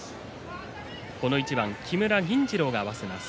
この一番、木村銀治郎が合わせます。